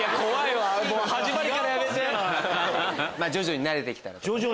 まぁ徐々に慣れて来たら。